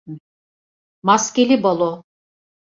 Maskeli balo…